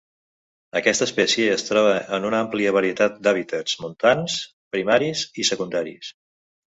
Aquesta espècie es troba en una àmplia varietat d'hàbitats montans primaris i secundaris.